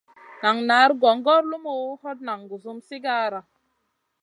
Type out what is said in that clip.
Nan nari gongor lumuʼu, hot nan gusum sigara.